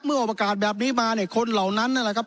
เมื่ออุปกรณ์แบบนี้มาเนี่ยคนเหล่านั้นนั่นแหละครับ